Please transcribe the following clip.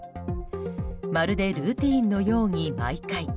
まるでルーティンのように徘徊。